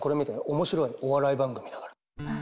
面白いお笑い番組だから。